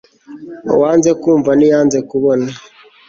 uwanze kwumva ntiyanze kubona